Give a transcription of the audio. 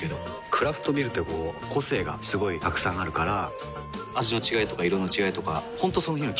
クラフトビールってこう個性がすごいたくさんあるから味の違いとか色の違いとか本当その日の気分。